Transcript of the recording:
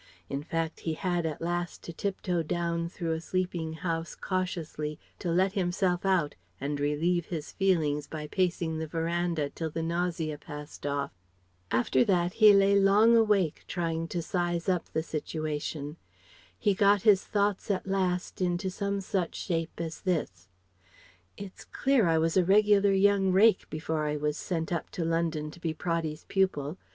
In fact, he had at last to tip toe down through a sleeping house cautiously to let himself out and relieve his feelings by pacing the verandah till the nausea passed off. After that he lay long awake trying to size up the situation. He got his thoughts at last into some such shape as this: "It's clear I was a regular young rake before I was sent up to London to be Praddy's pupil.